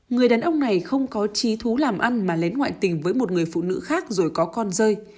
người đàn ông này không có trí thú làm ăn mà lén ngoại tình với một người phụ nữ khác rồi có con rơi